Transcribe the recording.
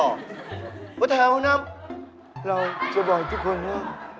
วันนี้เราจะบอกทุกคนนะ